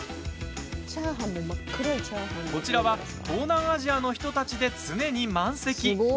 こちらは東南アジアの人たちで常に満席。